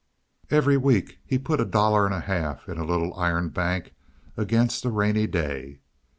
Every week he put a dollar and a half in a little iron bank against a rainy day.